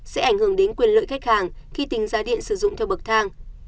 sẽ ảnh hưởng đến quyền lợi khách hàng khi tính giá điện sử dụng theo bậc thang